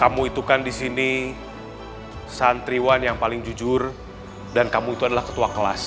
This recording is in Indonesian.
kamu itu kan di sini santriwan yang paling jujur dan kamu itu adalah ketua kelas